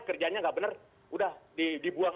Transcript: kerjanya nggak benar udah dibuang